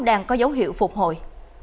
đang có dấu hiệu phục hồi